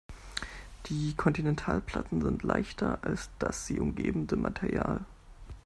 Die Kontinentalplatten sind leichter als das sie umgebende Material.